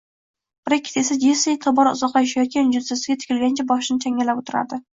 Brekket esa Jessining tobora uzoqlashayotgan jussasiga tikilgancha, boshini changallab o`tirardi